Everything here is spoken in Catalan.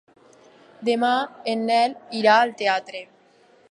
Demà en Nel irà al teatre.